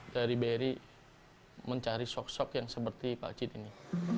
dari bri mencari sosok sosok yang seperti pak cit ini